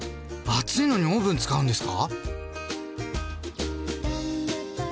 暑いのにオーブン使うんですか？